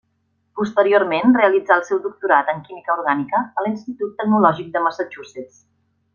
Posteriorment realitzà el seu doctorat en química orgànica a l'Institut Tecnològic de Massachusetts.